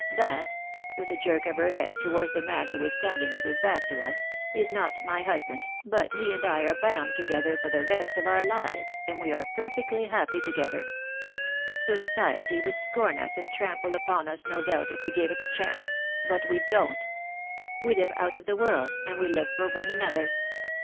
That/ with a jerk of her head towards the man who was stand ing with his back to us, 'is not my husband, but he and I are bound together for the rest of our lives, and we are perfectly happy together. Society would scorn us and trample upon us no doubt if we gave it a chance; but we don't. We live out of the world, and we live for one another.